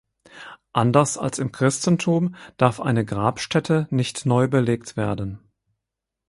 Anders als im Christentum darf eine Grabstätte nicht neu belegt werden.